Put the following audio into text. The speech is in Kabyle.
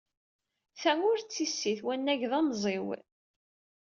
Ta ur d tissist wanag d amẓiw!